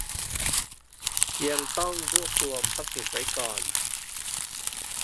ยังต้องรวบรวมทรัพย์สินไว้ก่อน